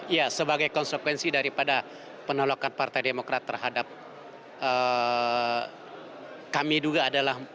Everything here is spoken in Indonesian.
ya sebagai konsekuensi daripada penolakan partai demokrat terhadap kami duga adalah